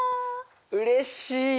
うれしい！